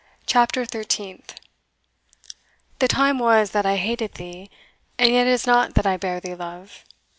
CHAPTER THIRTEENTH. The time was that I hated thee, And yet it is not that I bear thee love.